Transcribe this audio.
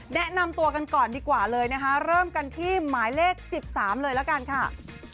แนะนำตัวกันก่อนดีกว่าเลยนะคะเริ่มกันที่หมายเลข๑๓เลยละกันค่ะ